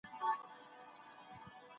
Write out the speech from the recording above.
په ټولګي کي د خپلواکۍ مهارتونه تمرین کړه.